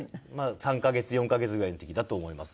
３カ月４カ月ぐらいの時だと思います。